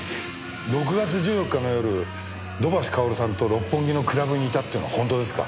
６月１４日の夜土橋かおるさんと六本木のクラブにいたっていうのは本当ですか？